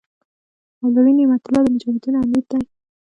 مولوي نعمت الله د مجاهدینو امیر دی.